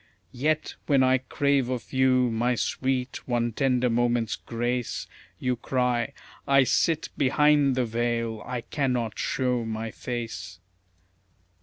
Yet, when I crave of you, my sweet, one tender moment's grace, You cry, "I SIT BEHIND THE VEIL, I CANNOT SHOW MY FACE."